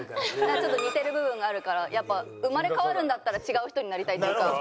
ちょっと似てる部分があるからやっぱ生まれ変わるんだったら違う人になりたいというか。